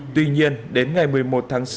tuy nhiên đến ngày một mươi một tháng sáu